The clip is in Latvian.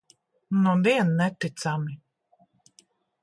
Nudien neticami.